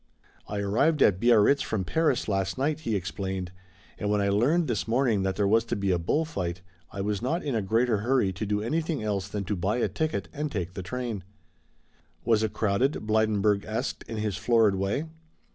"I arrived at Biarritz from Paris last night," he explained, "and when I learned this morning that there was to be a bull fight, I was not in a greater hurry to do anything else than to buy a ticket and take the train." "Was it crowded?" Blydenburg asked in his florid way.